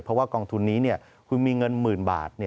เพราะว่ากองทุนนี้คุณมีเงินหมื่นบาท